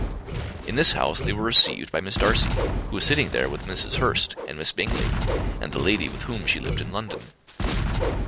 In this room they were received by Miss Darcy, who was sitting there with Mrs. Hurst and Miss Bingley, and the lady with whom she lived in London.